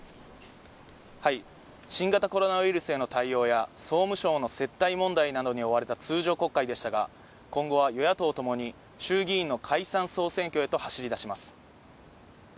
新型コロナウイルスへの対応や総務省の接待問題などに追われた通常国会でしたが、今後は与野党ともに衆議院の解散・総選挙へと走りだします。